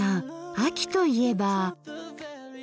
秋といえば。